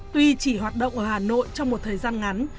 tuy chỉ hoạt động ở hà nội trong một thời gian ngắn